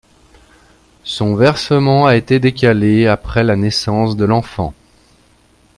Son versement a été décalé après la naissance de l’enfant.